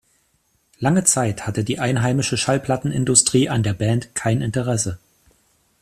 Lange Zeit hatte die einheimische Schallplattenindustrie an der Band kein Interesse.